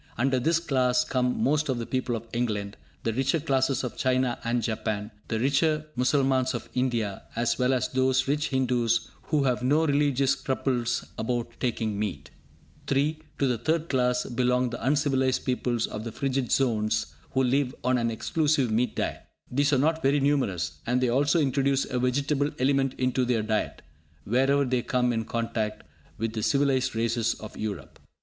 Under this class come most of the people of England, the richer classes of China and Japan, the richer Mussalmans of India, as well as those rich Hindus who have no religious scruples about taking meat. (3) To the third class belong the uncivilised peoples of the frigid zones, who live on an exclusive meat diet. These are not very numerous, and they also introduce a vegetable element into their diet, wherever they come in contact with the civilised races of Europe.